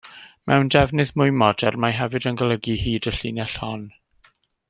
Mewn defnydd mwy modern, mae hefyd yn golygu hyd y llinell hon.